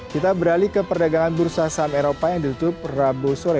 kita beralih ke perdagangan bursa saham eropa yang ditutup rabu sore